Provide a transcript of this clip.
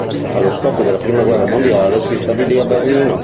Allo scoppio della prima guerra mondiale si stabilì a Berlino.